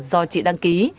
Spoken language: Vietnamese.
do chị đăng ký